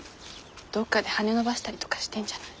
どっかで羽伸ばしたりとかしてんじゃない？